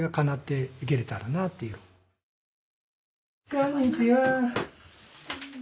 こんにちは。